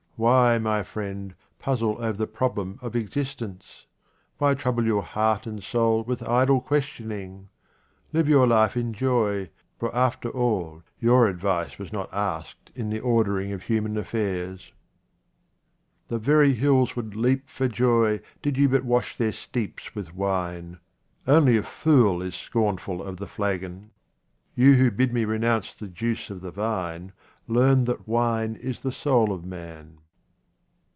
Why, my friend, puzzle over the problem of existence ? Why trouble your heart and soul with idle questioning ? Live your life in joy, for after all your advice was not asked in the ordering of human affairs. The very hills would leap for joy did you but wash their steeps with wine. Only a fool is scornful of the flagon. You who bid me re nounce the juice of the vine, learn that wine is the soul of man.